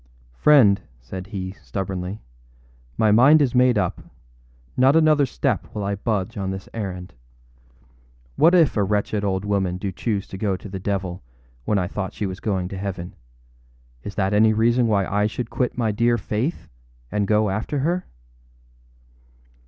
âFriend,â said he, stubbornly, âmy mind is made up. Not another step will I budge on this errand. What if a wretched old woman do choose to go to the devil when I thought she was going to heaven: is that any reason why I should quit my dear Faith and go after her?